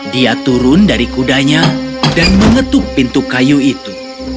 dia turun dari kudanya dan mengetuk pintu kayu itu